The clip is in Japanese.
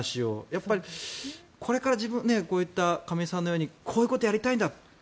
やっぱりこれからこういった亀井さんのようにこういうことをやりたいんだ